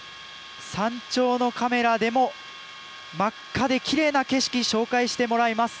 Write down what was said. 山頂のカメラでも真っ赤できれいな景色紹介してもらいます。